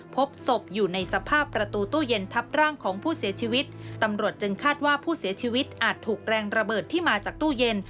พบศพอยู่ในสภาพประตูตู้เย็นทับร่างของผู้เสียชีวิตตำรวจจึงคาดว่าผู้เสียชีวิตอาจถูกแรงระเบิดที่มาจากตู้เย็น